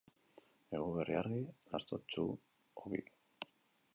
Eguberri argi, lastotsu ogi.